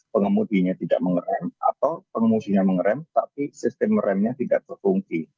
pengemudinya tidak mengerem atau pengumusinya mengerem tapi sistem remnya tidak terfungsi